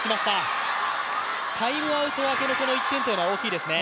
タイムアウト明けのこの１点は大きいですね。